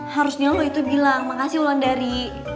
harusnya lo itu bilang makasih ulang dari